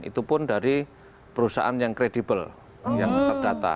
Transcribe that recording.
itu pun dari perusahaan yang kredibel yang terdata